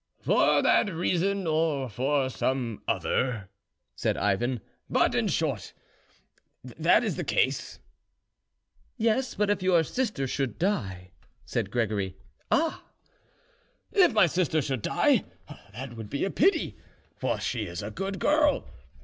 "For that reason or for some other," said Ivan; "but, in short, that is the case." "Yes; but if your sister should die?" said Gregory. "Ah!" "If my sister should die, that would be a pity, for she is a good girl.